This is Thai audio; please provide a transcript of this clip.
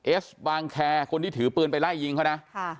เอสบางแคร์คนที่ถือปืนไปไล่ยิงเขานะ